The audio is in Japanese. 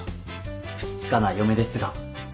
ふつつかな嫁ですが